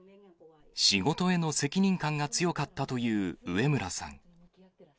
仕事への責任感が強かったという上邨さん。